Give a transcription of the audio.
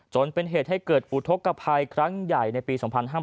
จนเป็นเหตุให้เกิดอุทธกภัยครั้งใหญ่ในปี๒๕๕๙